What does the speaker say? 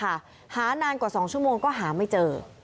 หานานกว่า๒ชั่วโมงก็หาไม่เจอ